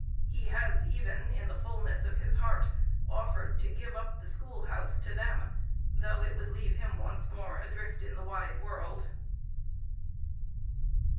He has even, in the fulness of his heart, offered to give up the school house to them, though it would leave him once more adrift in the wide world.